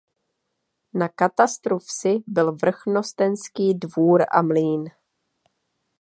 Na katastru vsi byl vrchnostenský dvůr a mlýn.